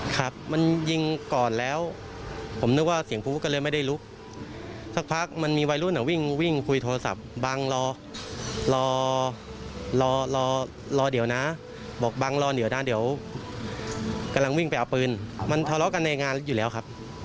กำลังวิ่งไปเอาปืนมันทะเลาะกันในงานอยู่แล้วครับ